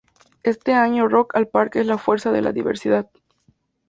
Este año Rock al Parque es la Fuerza de la Diversidad.